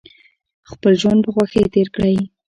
خپل ژوند په خوښۍ تیر کړئ